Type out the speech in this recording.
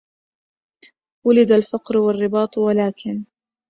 ولد الفقر والرباط ولكن